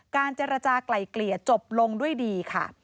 เจรจากลายเกลี่ยจบลงด้วยดีค่ะ